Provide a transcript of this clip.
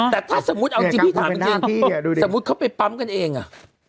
แต่ถ้าสมมุติเอาจริงพี่ถามจริงสมมุติเขาไปปั๊มกันเองอ่ะ